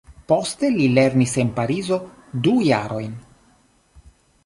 Poste li lernis en Parizo du jarojn.